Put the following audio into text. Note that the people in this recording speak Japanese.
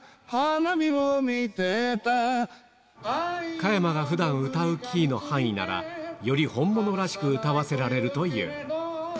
加山がふだん歌うキーの範囲なら、より本物らしく歌わせられるという。